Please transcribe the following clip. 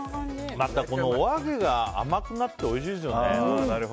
また、おあげが甘くなっておいしいですよね。